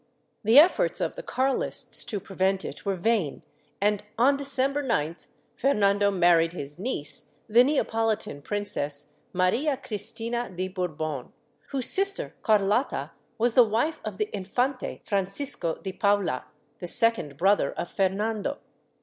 The efforts of the Carlists to prevent it were vain and, on December 9th, Fer nando married his neice, the Neapolitan princess, Maria Cristina de Bourbon, whose sister Carlotta was the wife of the Infante Francisco de Paula, the second brother of Fernando.